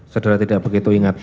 saudara tidak begitu ingat